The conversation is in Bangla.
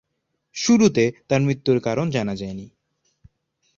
শুরুতে তার মৃত্যুর কারণ জানা যায়নি।